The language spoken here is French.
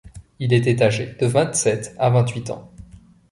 Il était âgé de vingt sept à vingt huit ans.